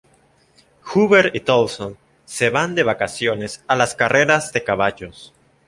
Hoover y Tolson se van de vacaciones a las carreras de caballos.